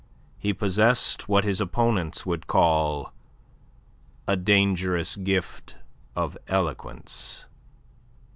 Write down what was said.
He possessed what his opponents would call a dangerous gift of eloquence."